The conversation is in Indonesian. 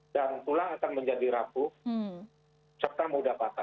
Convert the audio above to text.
dan tulang akan menjadi rapuh serta mudah patah